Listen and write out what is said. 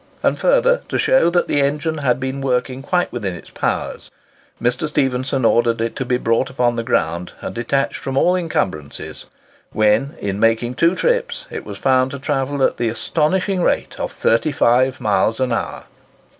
And further, to show that the engine had been working quite within its powers, Mr. Stephenson ordered it to be brought upon the ground and detached from all incumbrances, when, in making two trips, it was found to travel at the astonishing rate of 35 miles an hour.